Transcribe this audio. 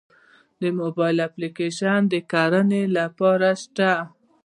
د موبایل اپلیکیشن د کرنې لپاره شته؟